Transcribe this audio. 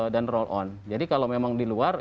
dan roll on jadi kalau memang di luar